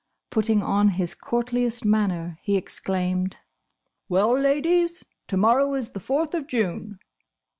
Putting on his courtliest manner, he exclaimed, "Well, Ladies! To morrow is the Fourth of June!"